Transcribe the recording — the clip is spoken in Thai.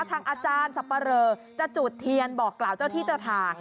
ทางอาจารย์สับปะเรอจะจุดเทียนบอกกล่าวเจ้าที่เจ้าทาง